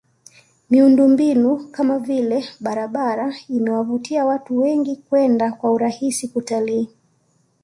Miundombinu kama vile barabara imewavutia watu wengi kwenda kwa urahisi kutalii